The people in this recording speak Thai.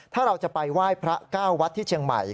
ถ้าเราจะไปไหว้พระ๙วัดที่เชียงใหม่